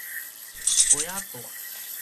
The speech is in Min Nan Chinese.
鞋仔帶